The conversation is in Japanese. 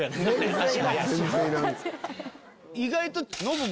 意外と。